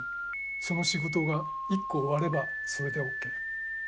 その仕事が一個終わればそれでオッケー。